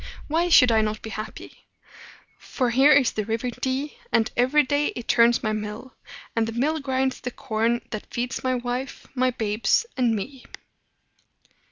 Why should I not be happy? For here is the River Dee, and every day it turns my mill; and the mill grinds the corn that feeds my wife, my babes, and me."